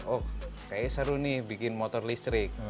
oh kayaknya seru nih bikin motor listrik